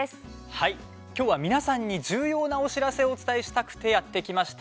はい、今日は皆さんに重要なお知らせをお伝えしたくてやって来ました。